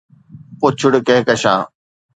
پُڇڙ ڪھڪشان